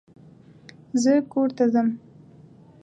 زه کور ته ځم.